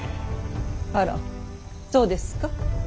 あらそうですか。